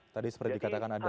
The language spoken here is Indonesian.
tadi seperti dikatakan ada